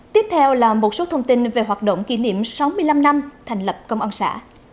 tiếp theo là một số thông tin về hoạt động kỷ niệm sáu mươi năm năm thành lập công an xã